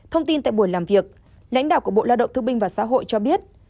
thông tin tại buổi làm việc lãnh đạo của bộ lao động thương binh và xã hội cho biết